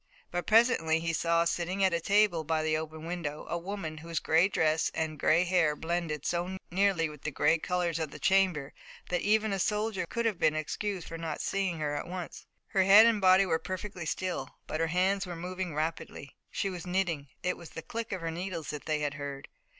But presently he saw sitting at a table by the open window a woman whose gray dress and gray hair blended so nearly with the gray colors of the chamber that even a soldier could have been excused for not seeing her at once. Her head and body were perfectly still, but her hands were moving rapidly. She was knitting, and it was the click of her needles that they had heard.